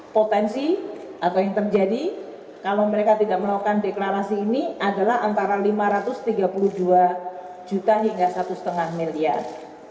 potensi atau yang terjadi kalau mereka tidak melakukan deklarasi ini adalah antara lima ratus tiga puluh dua juta hingga satu lima miliar